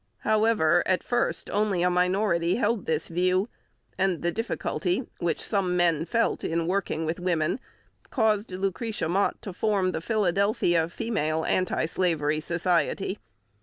However, at first only a minority held this view, and the difficulty which some men felt in working with women caused Lucretia Mott to form the Philadelphia Female Anti Slavery Society.